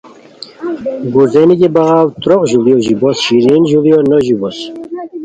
گُرزینی کی بغاؤ تروق ژوڑیو ژیبوس شیرین ژوڑیو نو ژیبوس